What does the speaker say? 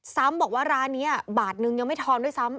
บอกว่าร้านนี้บาทนึงยังไม่ทองด้วยซ้ำ